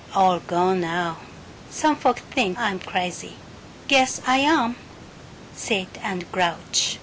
All gone now. Some folks think I'm crazy. Guess I am. Sit and grouch.